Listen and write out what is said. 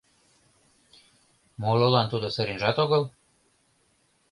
Молылан тудо сыренжат огыл.